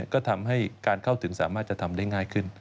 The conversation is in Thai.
ก็ทำให้การเข้าถึงสามารถจะทำได้ง่ายขึ้น